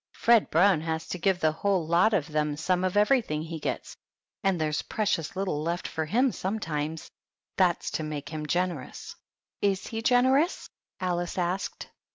Fred Brown has to give the whole lot of them some of everything he gets, and there's precious little left for him sometimes. That's to make him generous." "is he generous?" Alice asked.